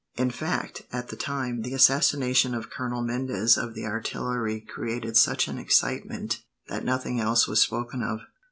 In fact, at the time, the assassination of Colonel Mendez of the artillery created such an excitement that nothing else was spoken of."